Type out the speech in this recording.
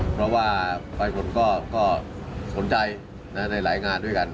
เพราะว่าประชาชนก็สนใจในหลายงานด้วยกัน